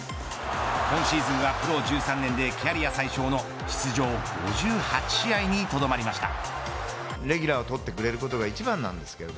今シーズンはプロ１３年でキャリア最小の出場５８試合にとどまりました。